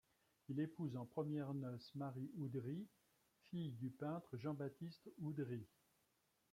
Il épouse en premières noces Marie Oudry, fille du peintre Jean-Baptiste Oudry.